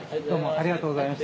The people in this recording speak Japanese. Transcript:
ありがとうございます。